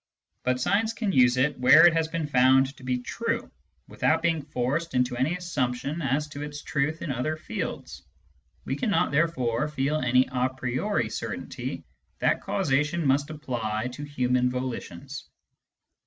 But science can use it where it has been found to be true, without being forced into any assumption as to its truth in other fields. We cannot, therefore, feel any a priori certainty that causation must apply to human volitions.